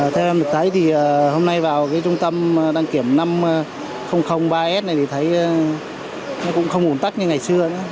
theo em được thấy thì hôm nay vào trung tâm đăng kiểm năm ba s này thì thấy nó cũng không ủn tắc như ngày xưa nữa